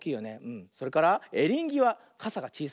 それからエリンギはカサがちいさいね。